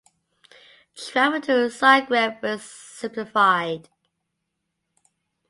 Travel to Zagreb was simplified.